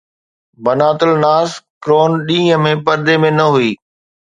بنات الناس ڪرون ڏينهن ۾ پردي ۾ نه هئي